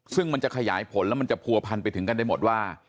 ซึ่งมันจะขยายผลแล้วมันจะผัวพันไปถึงกันได้หมดว่า